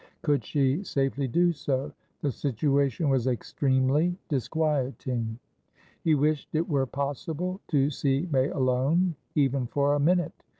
Could she safely do so? The situation was extremely disquieting. He wished it were possible to see May alone, even for a minute.